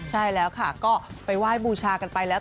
ใช่แล้วค่ะก็ไปไหว้บูชากันไปแล้ว